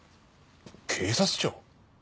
警察庁？